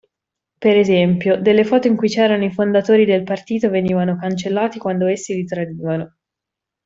Per esempio, delle foto in cui c'erano i fondatori del partito venivano cancellati quando essi li tradivano.